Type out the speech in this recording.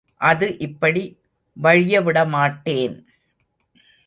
அது இப்படி வழியவிடமாட்டேன்.